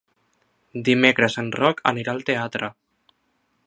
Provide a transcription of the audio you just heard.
Dimecres en Roc anirà al teatre.